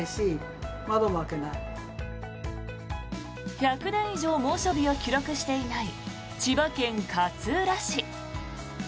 １００年以上猛暑日を記録していない千葉県勝浦市。